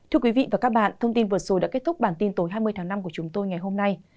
thưa quý vị và các bạn thông tin vừa rồi đã kết thúc bản tin tối hai mươi tháng năm của chúng tôi ngày hôm nay